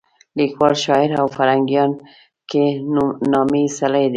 لیکوال، شاعر او په فرهنګیانو کې د نامې سړی دی.